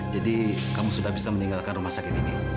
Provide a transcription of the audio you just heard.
jadi kamu sudah bisa meninggalkan rumah sakit ini